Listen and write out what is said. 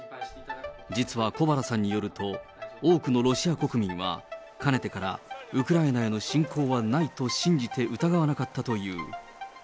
実は小原さんによると、多くのロシア国民はかねてからウクライナへの侵攻はないと信じて疑わなかったという。